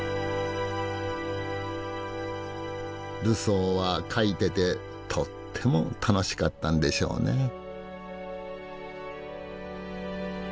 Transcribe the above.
ルソーは描いててとっても楽しかったんでしょうね。